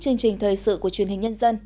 chương trình thời sự của truyền hình nhân dân